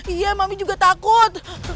iya mami juga takut